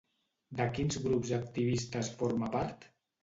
De quins grups activistes forma part?